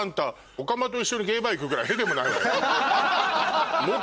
おかまと一緒にゲイバー行くぐらい屁でもないわよ。